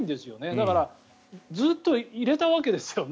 だからずっといれたわけですよね。